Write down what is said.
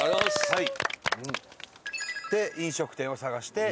はい。